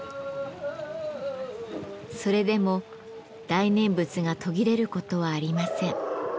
それでも大念仏が途切れる事はありません。